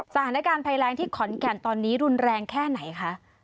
สถานการณ์ภัยแรงที่ขอนแก่นตอนนี้รุนแรงแค่ไหนคะ